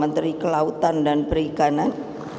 menteri kelautan dan perikanan